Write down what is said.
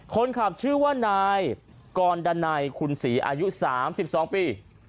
คนขับชื่อว่านายกรดันัยคุณศรีอายุ๓๒ปี